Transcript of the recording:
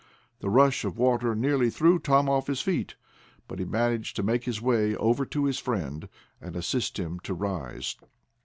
The rush of water nearly threw Tom off his feet, but he managed to make his way over to his friend, and assist him to rise.